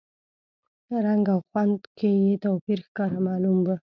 رنګ او خوند کې یې توپیر ښکاره معلوم و.